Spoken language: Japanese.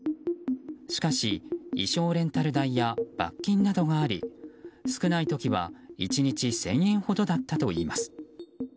しかし、衣装レンタル代や罰金などがあり少ないときは１日１０００円ほどだったといいます。